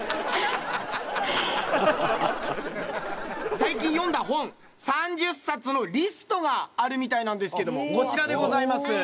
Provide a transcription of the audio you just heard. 最近読んだ本３０冊のリストがあるみたいなんですけどもこちらでございます。